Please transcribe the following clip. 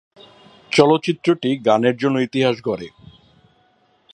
চলচ্চিত্রটি গানের জন্য ইতিহাস গড়ে।